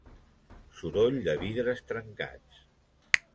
Soroll de vidres trencats.